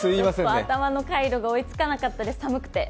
頭の回路が追いつかなかったです、寒くて。